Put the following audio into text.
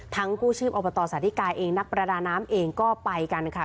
กู้ชีพอบตสาธิกาเองนักประดาน้ำเองก็ไปกันค่ะ